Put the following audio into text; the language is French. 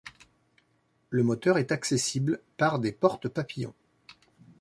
Le moteur est accessible par des portes papillons.